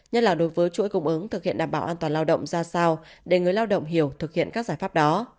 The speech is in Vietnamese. nhất là đối với chuỗi cung ứng thực hiện đảm bảo an toàn lao động ra sao để người lao động hiểu thực hiện các giải pháp đó